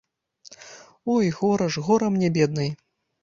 Ой, гора ж, гора мне, беднай!